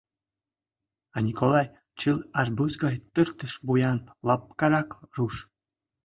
А Николай — чылт арбуз гай тыртыш вуян, лапкарак руш.